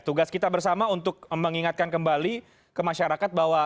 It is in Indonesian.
tugas kita bersama untuk mengingatkan kembali ke masyarakat bahwa